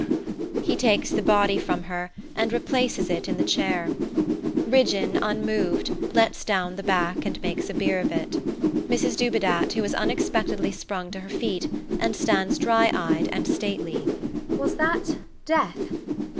SIR PATRICK. He will never wake again. [He takes the body from her and replaces it in the chair. Ridgeon, unmoved, lets down the back and makes a bier of it]. MRS DUBEDAT [who has unexpectedly sprung to her feet, and stands dry eyed and stately] Was that death?